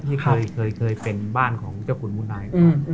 ที่เคยเป็นบ้านของเจ้าขุนมูนาย